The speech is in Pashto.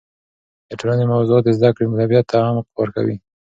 د ټولنې موضوعات د زده کړې طبیعت ته عمق ورکوي.